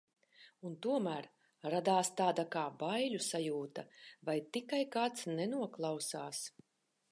Un tomēr, radās tāda kā baiļu sajūta, vai tikai kāds nenoklausās.